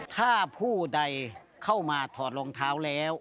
ถ้าผู้ใดเข้ามาถอดรองเท้าแล้ว